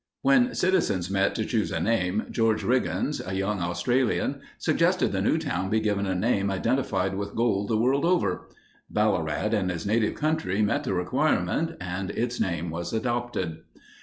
When citizens met to choose a name, George Riggins, a young Australian suggested the new town be given a name identified with gold the world over. Ballarat in his native country met the requirement and its name was adopted.